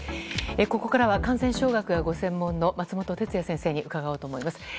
ここからは感染症学がご専門の松本哲哉先生に伺おうと思います。